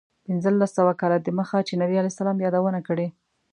پنځلس سوه کاله دمخه چې نبي علیه السلام یادونه کړې.